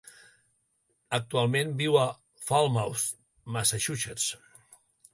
Actualment viu a Falmouth, Massachusetts.